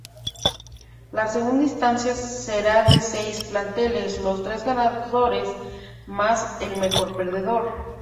La segunda instancia será de seis planteles, los tres ganadores más el mejor perdedor.